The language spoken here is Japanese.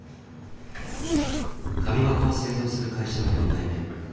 紙箱を製造する会社の４代目。